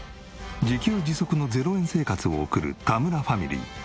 自給自足の０円生活を送る田村ファミリー。